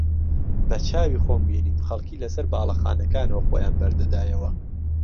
بەچاوی خۆم بینیم خەڵکی لەسەر باڵەخانەکانەوە خۆیان بەردەدایەوە